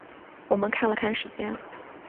我们看了看时间